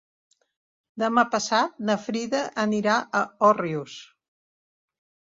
Demà passat na Frida anirà a Òrrius.